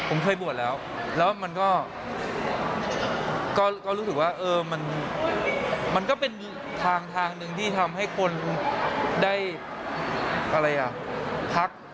ผมเคยบวชแล้วแล้วมันก็รู้สึกว่ามันก็เป็นทางทางหนึ่งที่ทำให้คนได้อะไรอ่ะทัก